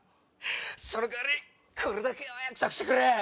その代わりこれだけは約束してくれ。